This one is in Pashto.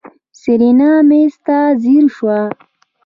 سېرېنا مېز ته ځير شوه.